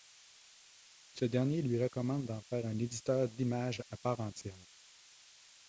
Ce dernier lui recommande d'en faire un éditeur d'images à part entière.